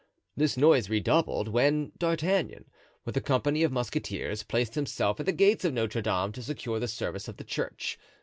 This noise redoubled when D'Artagnan, with a company of musketeers, placed himself at the gates of Notre Dame to secure the service of the church.